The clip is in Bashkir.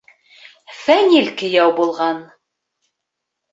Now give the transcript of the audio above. Фәнил кейәү булған...